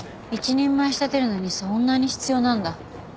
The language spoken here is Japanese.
一人前仕立てるのにそんなに必要なんだ。